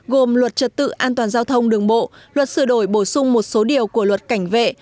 gồm luật trật tự an toàn giao thông đường bộ luật sửa đổi bổ sung một số điều của luật cảnh vệ